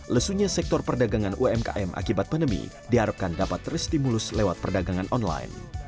lesunya sektor perdagangan umkm akibat pandemi diharapkan dapat restimulus lewat perdagangan online